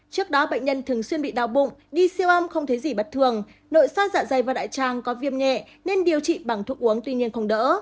trước đó bệnh nhân thường xuyên bị đau bụng đi siêu âm không thấy gì bất thường nội so dạ dày và đại tràng có viêm nhẹ nên điều trị bằng thuốc uống tuy nhiên không đỡ